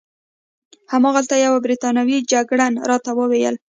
هماغلته یوه بریتانوي جګړن راته وویل.